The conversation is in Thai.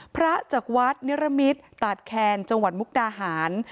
จากวัดนิรมิตตาดแคนจังหวัดมุกดาหาร